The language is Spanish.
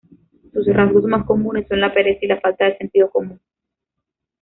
Sus rasgos más comunes son la pereza y la falta de sentido común.